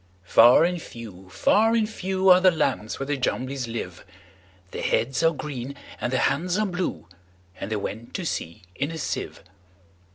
Far and few, far and few, Are the lands where the Jumblies live:Their heads are green, and their hands are blue; And they went to sea in a sieve.